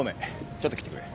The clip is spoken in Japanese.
ちょっと来てくれ。